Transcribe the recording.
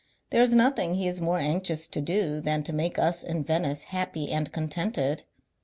There is nothing he is more anxious to do than to make us in Venice happy and contented.